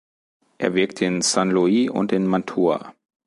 Er wirkte in San Luis und in Mantua.